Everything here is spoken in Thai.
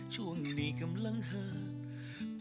ช่วงนี้กำลังเหิก